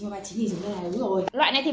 nếu mà chị mà lấy em để chị tám mươi đấy